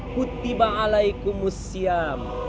kutiba alaikumus siam